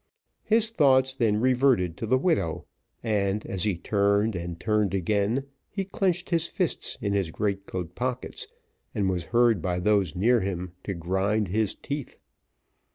His thoughts then reverted to the widow, and, as he turned and turned again, he clenched his fists in his great coat pockets, and was heard by those near him to grind his teeth.